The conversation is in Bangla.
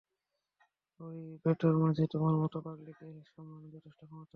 ঐ বেটার মাঝে তোমার মত পাগলিকে সামলানোর যথেষ্ট ক্ষমতা আছে।